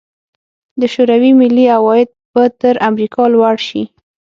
د شوروي ملي عواید به تر امریکا لوړ شي.